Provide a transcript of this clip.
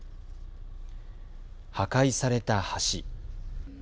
破壊された橋。